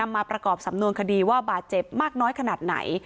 ประกอบสำนวนคดีว่าบาดเจ็บมากน้อยขนาดไหน